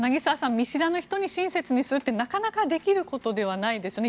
見知らぬ人に親切にするってなかなかできることではないですよね。